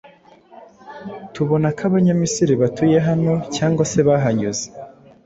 tubona ko Abanyamisiri batuye hano cyangwa se bahanyuze